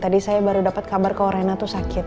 tadi saya baru dapat kabar kalau rena tuh sakit